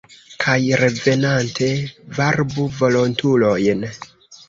Kaj revenante varbu volontulojn!